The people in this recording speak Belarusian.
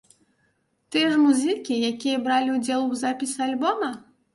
Тыя ж музыкі, якія бралі ўдзел і ў запісе альбома?